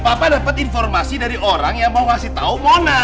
papa dapat informasi dari orang yang mau ngasih tahu mona